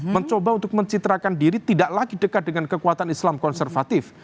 mencoba untuk mencitrakan diri tidak lagi dekat dengan kekuatan islam konservatif